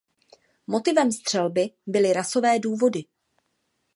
Motivem střelby byly rasové důvody.